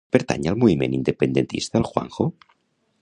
Pertany al moviment independentista el Juanjo?